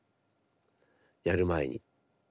やる前に。